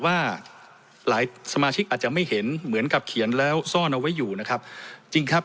ว่าหลายสมาชิกอาจจะไม่เห็นเหมือนกับเขียนแล้วซ่อนเอาไว้อยู่นะครับจริงครับ